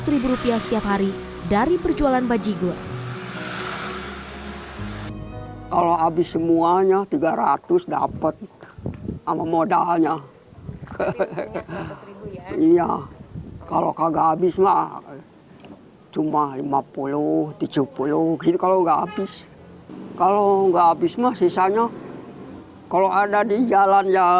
seratus ribu rupiah setiap hari dari perjualan bajibur